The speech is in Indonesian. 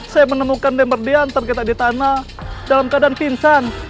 saya menemukan mardian terketak di tanah dalam keadaan pinsan